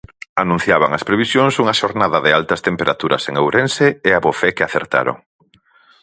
Anunciaban as previsións unha xornada de altas temperaturas en Ourense e abofé que acertaron.